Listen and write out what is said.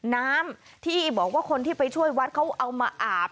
น้ำที่บอกว่าคนที่ไปช่วยวัดเขาเอามาอาบ